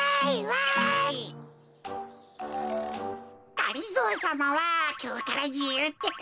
がりぞーさまはきょうからじゆうってか？